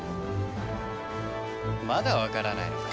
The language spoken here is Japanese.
まだわからないのかい？